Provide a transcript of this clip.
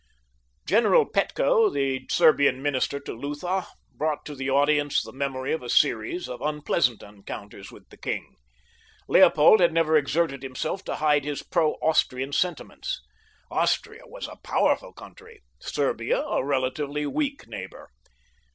General Petko, the Serbian minister to Lutha, brought to the audience the memory of a series of unpleasant encounters with the king. Leopold had never exerted himself to hide his pro Austrian sentiments. Austria was a powerful country—Serbia, a relatively weak neighbor.